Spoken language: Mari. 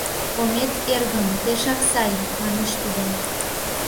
— Омет, эргым, пешак сай! — манеш тудо.